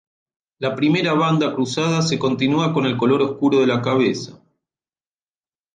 La primera banda cruzada se continúa con el color oscuro de la cabeza.